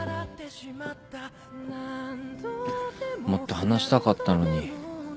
もっと話したかったのに。